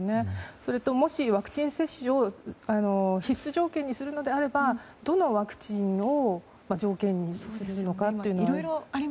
それと、もしワクチン接種を必須条件にするのであればどのワクチンを条件にするのかという。